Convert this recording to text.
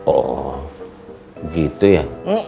oh gitu ya